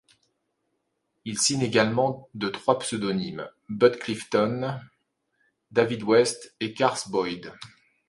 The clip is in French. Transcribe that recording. Il signe également de trois pseudonymes Bud Clifton, David West et Carse Boyd.